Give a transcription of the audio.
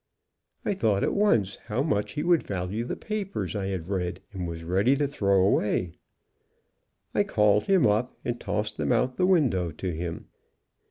I thought at once how much he would value the papers I had read, and was ready to throw away, and I called him up and tossed them out of the win dow to him.